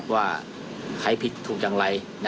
ว่าใครผิดถูกอย่างไร